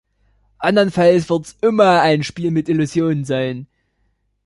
Andernfalls wird es immer ein Spiel mit Illusionen sein.